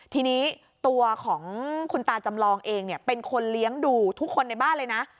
ทีนี้ตัวของคุณตาจำลองเองเป็นคนเลี้ยงดูทุกคนในบ้านเลยนะ